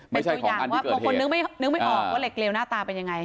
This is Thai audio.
เป็นตัวอย่างว่าบางคนนึกไม่ออกว่าเหล็กเลวหน้าตาเป็นยังไง